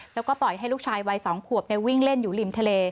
แล้วก็ปล่อยให้ลูกชายวัย๒ขวบวิ่งเล่นอยู่ริมทะเล